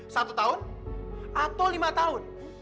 satu tahun atau lima tahun